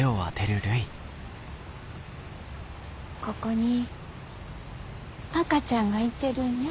ここに赤ちゃんがいてるんや。